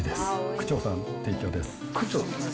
区長さん提供です。